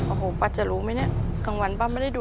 โอ้โหปะจะรู้มั้ยเนี่ยกลางวันปะไม่ได้ดู